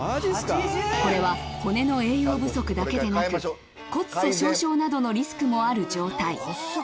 これは骨の栄養不足だけでなく骨粗しょう症などのリスクもある状態。